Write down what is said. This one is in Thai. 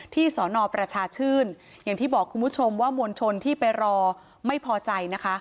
สอนอประชาชื่นอย่างที่บอกคุณผู้ชมว่ามวลชนที่ไปรอไม่พอใจนะคะ